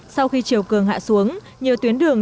sau khi chiều cường hạ xuống nhiều tuyến đường